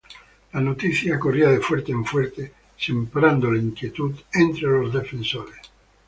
La noticia corría de fuerte en fuerte, sembrando la inquietud entre los defensores.